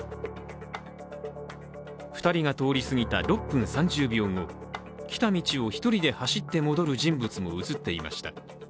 ２人が通りすぎた６分３０秒後来た道を１人で走って戻る人物も映っていました。